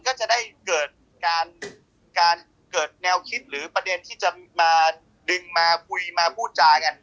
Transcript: ก็จะได้เกิดการเกิดแนวคิดหรือประเด็นที่จะมาดึงมาคุยมาพูดจากัน